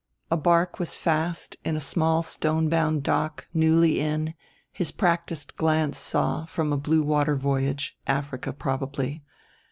A barque was fast in a small stone bound dock, newly in, his practiced glance saw, from a blue water voyage, Africa probably.